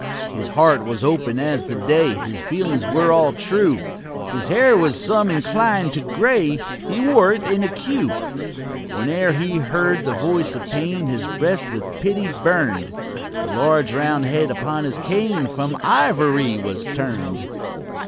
His heart was open as the day, His feelings all were true; His hair was some inclined to gray He wore it in a queue. Whene'er he heard the voice of pain, His breast with pity burn'd; The large, round head upon his cane From ivory was turn'd.